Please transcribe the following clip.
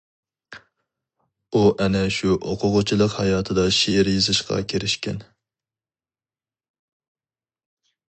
ئۇ ئەنە شۇ ئوقۇغۇچىلىق ھاياتىدا شېئىر يېزىشقا كىرىشكەن.